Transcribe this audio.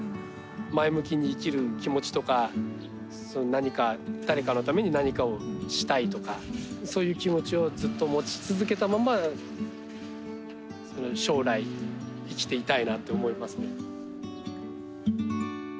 前向きに生きる気持ちとか何か誰かのために何かをしたいとかそういう気持ちをずっと持ち続けたまま将来生きていたいなって思いますね。